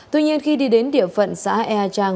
tuy nhiên khi đi đến địa phận xã ea trang